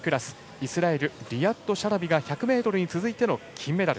イスラエルのリヤッド・シャラビ１００ｍに続いての金メダル。